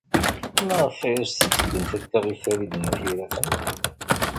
Maɣef ay as-tetteddum akka i Farid n At Yiraten?